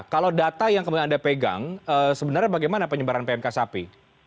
kalau data yang kemudian anda pegang sebenarnya bagaimana penyebaran pmk sapi